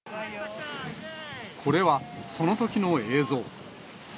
これはそのときの映像。